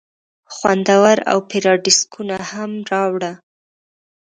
خوندور اوپيراډیسکونه هم راوړه.